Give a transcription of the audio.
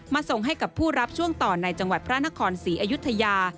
ส่งให้กับผู้รับช่วงต่อในจังหวัดพระนครศรีอยุธยา